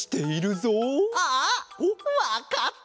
あわかった！